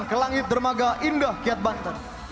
ke langit dermaga indah kiat banten